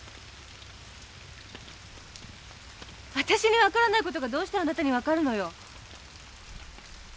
あたしに分からないことがどうしてあなたに分かるのよ？